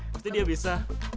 mesti dia bisa